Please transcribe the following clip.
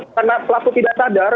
karena pelaku tidak sadar